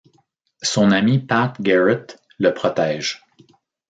Son ami Pat Garrett le protège.